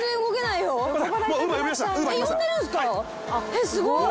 えっすごい。